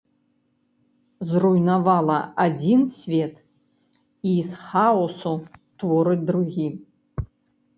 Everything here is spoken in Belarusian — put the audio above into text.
Зруйнавала адзін свет і з хаосу творыць другі.